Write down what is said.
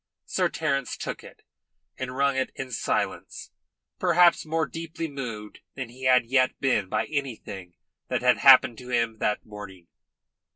Sir Terence took it, and wrung it in silence, perhaps more deeply moved than he had yet been by anything that had happened to him that morning.